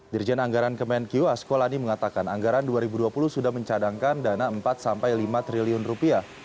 dirjen anggaran kemenkyu asko lani mengatakan anggaran dua ribu dua puluh sudah mencadangkan dana empat sampai lima triliun rupiah